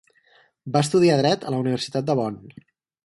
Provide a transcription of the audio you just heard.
Va estudiar dret a la Universitat de Bonn.